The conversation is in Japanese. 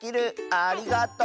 ありがとう。